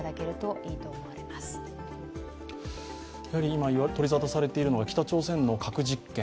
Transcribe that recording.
今、取り沙汰されているのが北朝鮮の核実験。